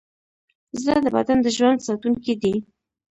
زړه د بدن د ژوند ساتونکی دی.